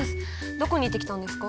どこに行ってきたんですか？